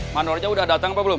manornya udah datang apa belum